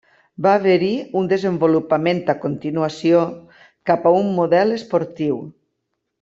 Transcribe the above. Va haver-hi un desenvolupament a continuació, cap a un model esportiu.